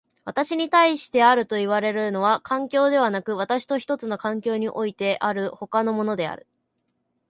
私に対してあるといわれるのは環境でなく、私と一つの環境においてある他のものである。